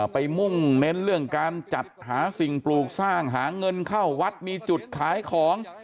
มุ่งเน้นเรื่องการจัดหาสิ่งปลูกสร้างหาเงินเข้าวัดมีจุดขายของ